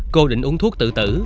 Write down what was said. cô định uống thuốc tự tử